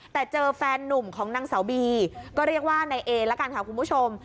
แต่เจอแฟนนุ่มของนางสาวบีก็เรียกว่านายเอละกันค่ะคุณผู้ชม